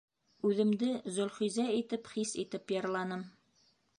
Үҙемде Зөлхизә итеп хис итеп йырланым.